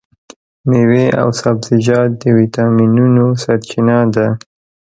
مېوې او سبزیجات د ویټامینونو سرچینه ده.